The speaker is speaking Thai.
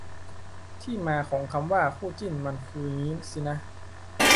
ที่มาของคำว่า "คู่จิ้น" มันคืองี้สินะ